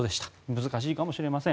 難しいかもしれません。